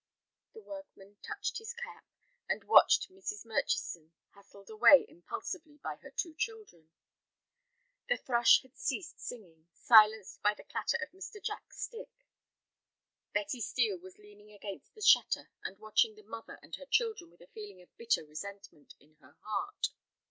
The workman touched his cap, and watched Mrs. Murchison hustled away impulsively by her two children. The thrush had ceased singing, silenced by the clatter of Mr. Jack's stick. Betty Steel was leaning against the shutter and watching the mother and her children with a feeling of bitter resentment in her heart.